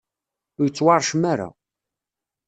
ur yettwaṛcem ara.